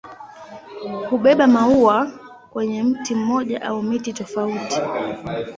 Hubeba maua kwenye mti mmoja au miti tofauti.